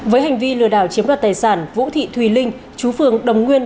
với hành vi lừa đảo chiếm đoạt tài sản vũ thị thùy linh chú phường đồng nguyên